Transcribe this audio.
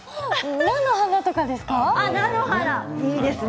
菜の花とかですか？